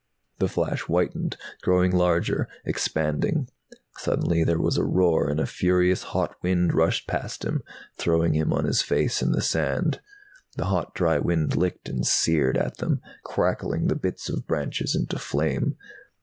The flash whitened, growing larger, expanding. Suddenly there was a roar, and a furious hot wind rushed past him, throwing him on his face in the sand. The hot dry wind licked and seared at them, crackling the bits of branches into flame.